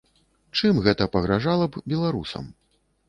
Чым гэта пагражала б беларусам?